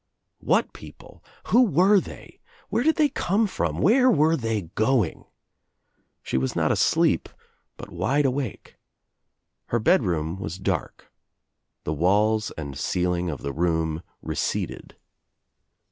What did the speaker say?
What people I Who were they? Where did they come from? Where were they going? She was not asleep but wide awake. Her bedroom was dark. The walla and ceiling of the room receded.